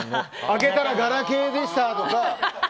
開けたらガラケーでしたとか。